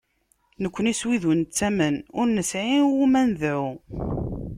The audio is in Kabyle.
Nekni s wid ur nettamen, ur nesɛi iwumi ara nedɛu.